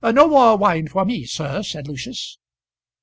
"No more wine for me, sir," said Lucius.